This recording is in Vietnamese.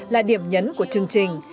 là điểm nhấn của chương trình